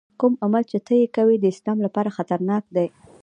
کوم عمل چې ته یې کوې د اسلام لپاره خطرناک دی.